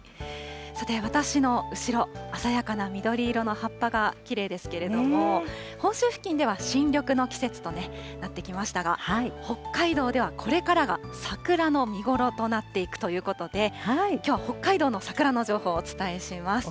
さて私の後ろ、鮮やかな緑色の葉っぱがきれいですけれども、本州付近では新緑の季節となってきましたが、北海道ではこれからが桜の見頃となっていくということで、きょうは北海道の桜の情報をお伝えします。